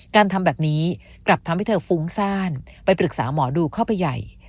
การทำแบบนี้กลับทำให้เธอฟุ้งซ่านไปปรึกษาหมอดูเข้าไปใหญ่